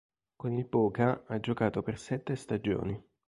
Con il Boca ha giocato per sette stagioni.